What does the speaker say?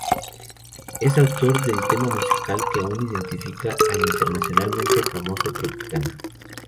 Es autor del tema musical que aún identifica al internacionalmente famoso Tropicana.